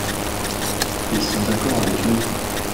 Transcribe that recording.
Ils sont d'accord avec nous.